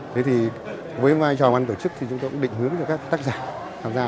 thế thì với vai trò ban tổ chức thì chúng tôi cũng định hướng cho các tác giả tham gia